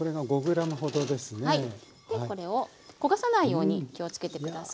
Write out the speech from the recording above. でこれを焦がさないように気をつけて下さい。